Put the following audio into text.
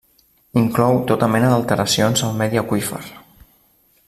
Inclou tota mena d'alteracions al medi aqüífer.